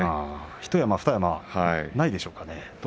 ひと山、ふた山ないでしょうかね。